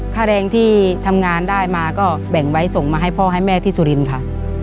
ค่าแรงที่ทำงานได้มาก็แบ่งไว้ส่งมาให้พ่อให้แม่ที่สุรินทร์ค่ะ